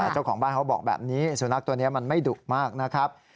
เจ้าของบ้านเขาบอกแบบนี้สุนัขตัวนี้มันไม่ดุมากนะครับ